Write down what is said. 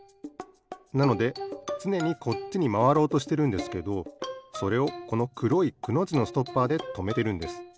なのでつねにこっちにまわろうとしてるんですけどそれをこのくろい「く」のじのストッパーでとめてるんです。